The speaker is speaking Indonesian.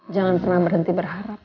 jangan pernah berhenti berharap